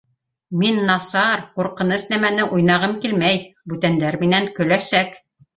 Мин насар, ҡурҡыныс нәмәне уйнағым килмәй, бүтәндәр минән көләсәк.